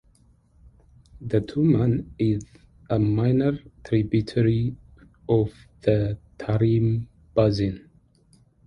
The Tuman is a minor tributary of the Tarim Basin.